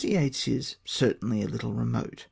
Yeats is certainly a little remote.